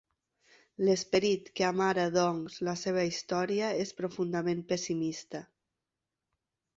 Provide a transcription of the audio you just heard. L'esperit que amara doncs la seva història és profundament pessimista.